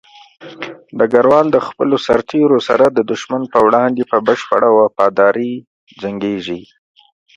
ډګروال د خپلو سرتېرو سره د دښمن په وړاندې په بشپړه وفاداري جنګيږي.